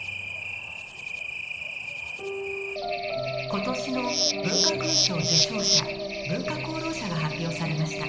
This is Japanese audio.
今年の文化勲章受章者文化功労者が発表されました。